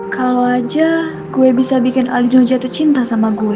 kalau aja gue bisa bikin alido jatuh cinta sama gue